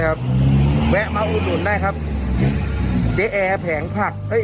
ครับแวะมาอุดอุดได้ครับเจ๊แอแผงผักเอ้ย